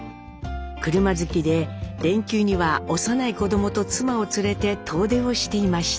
車好きで連休には幼い子どもと妻を連れて遠出をしていました。